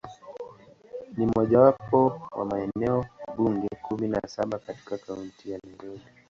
Ni mojawapo wa maeneo bunge kumi na saba katika Kaunti ya Nairobi.